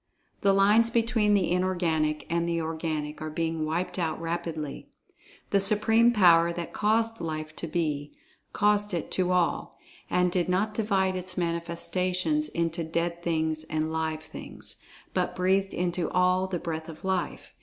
The lines between the Inorganic and the Organic are being wiped out rapidly. The Supreme Power that caused Life to Be, caused it to All, and did not divide Its manifestations into Dead Things and Live Things, but breathed into all the Breath of Life.